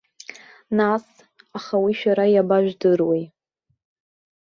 Нас, аха уи шәара иабажәдыруеи?